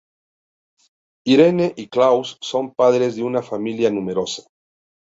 Irene y Klaus son padres de una familia numerosa.